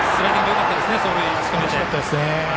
よかったですね。